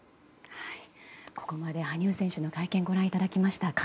ここまで羽生選手の会見ご覧いただきました。